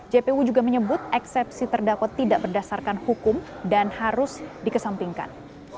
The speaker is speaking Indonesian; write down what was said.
jpu juga menyebut eksepsi terdakwa tidak berdasarkan hukum dan harus dikesampingkan